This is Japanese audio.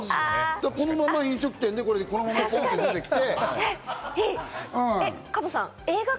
このまま飲食店でこのまま持ってきて。